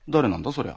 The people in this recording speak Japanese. そりゃ。